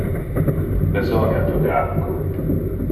Besonia tu de alco?